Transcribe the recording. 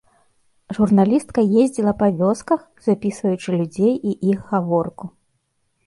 Журналістка ездзіла па вёсках, запісваючы людзей і іх гаворку.